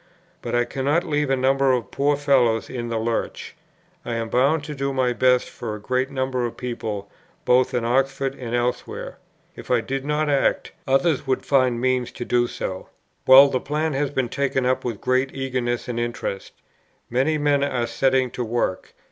But I cannot leave a number of poor fellows in the lurch. I am bound to do my best for a great number of people both in Oxford and elsewhere. If I did not act, others would find means to do so. "Well, the plan has been taken up with great eagerness and interest. Many men are setting to work.